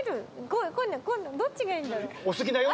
どっちがいいんだろ？